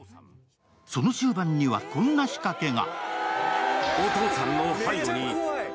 その終盤には、こんな仕掛けが。